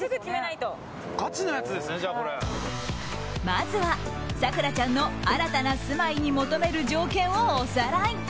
まずは咲楽ちゃんの新たな住まいに求める条件をおさらい。